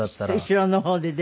後ろの方ででも。